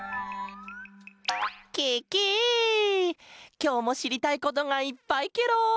きょうもしりたいことがいっぱいケロ！